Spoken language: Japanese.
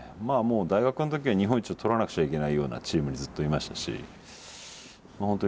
まあもう大学の時は日本一を取らなくちゃいけないようなチームにずっといましたしまあ